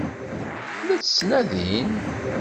La tt-ttnadin?